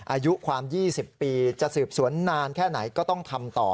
อายุความ๒๐ปีจะสืบสวนนานแค่ไหนก็ต้องทำต่อ